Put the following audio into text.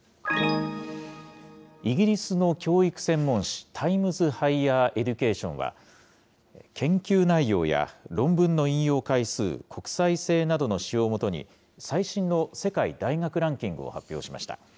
イギリスの教育専門誌、タイムズ・ハイヤー・エデュケーションは、研究内容や論文の引用回数、国際性などの指標をもとに、最新の世界大学ランキングを発表しました。